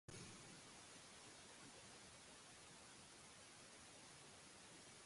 Prinias have short wings but long tapering tails.